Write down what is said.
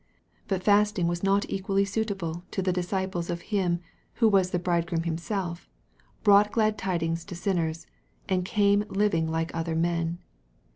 But fasting was not equally suitable to the dis ciples of Him, who was the Bridegroom Himself, brought glad tidings to sinners, and came living like other men.